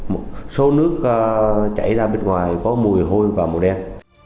một số nước chảy ra bên ngoài có mùi hôi và màu đen